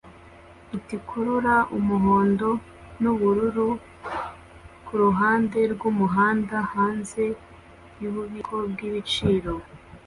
itikurura umuhondo nubururu kuruhande rwumuhanda hanze yububiko bwibiciro